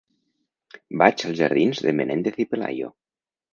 Vaig als jardins de Menéndez y Pelayo.